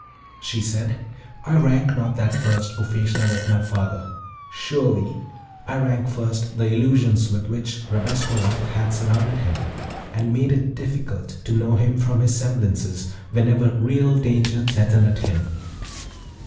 She said, 'I rank not that first, O Feshnavat, my father; surely I rank first the illusions with which Rabesqurat hath surrounded him, and made it difficult to know him from his semblances, whenever real danger threateneth him.'